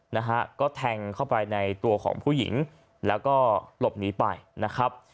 นะฮะก็แทงเข้าไปในตัวของผู้หญิงแล้วก็หลบหนีไปนะครับ